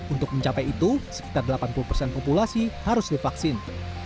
untuk mencapai itu sekitar delapan puluh persen populasi harus divaksin